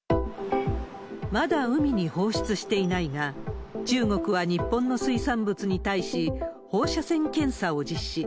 まだ海に放出していないが、中国は日本の水産物に対し、放射線検査を実施。